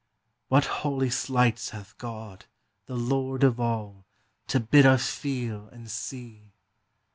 What holy sleights hath God, the Lord of all, To bid us feel and see!